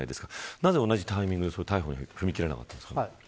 なぜ同じタイミングで、逮捕に踏み切らなかったんですか。